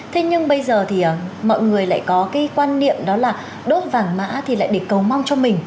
thế nhưng bây giờ thì mọi người lại có cái quan niệm đó là đốt vàng mã thì lại để cầu mong cho mình